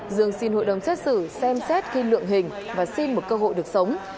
dương xin hội đồng xét xử xem xét khi lượng hình và xin một cơ hội được sống